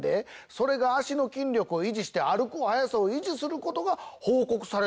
それが脚の筋力を維持して歩く速さを維持することが報告されてるらしいよ！